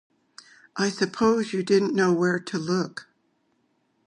I suppose you didn't know where to look.